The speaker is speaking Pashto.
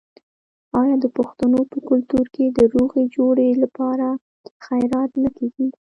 آیا د پښتنو په کلتور کې د روغې جوړې لپاره خیرات نه کیږي؟